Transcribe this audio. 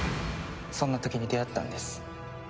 そんな時に出会ったんです。